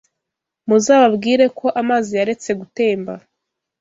muzababwire ko amazi yaretse gutemba